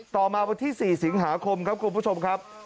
ต่อมาวันที่๔สิงหาคมครับคุณผู้ชมครับ